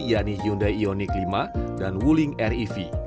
yaitu hyundai ioniq lima dan wuling riv